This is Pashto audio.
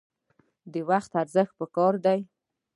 د وخت ارزښت پکار دی